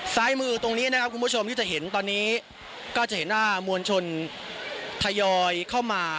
ซ้ายมือตรงนี้นะครับคุณผู้ชมที่จะเห็นตอนนี้ก็จะเห็นว่ามวลชนทยอยเข้ามา